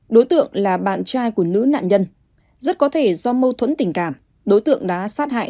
đối tượng là bạn trai của nữ nạn nhân rất có thể do mâu thuẫn tình cảm đối tượng đã sát hại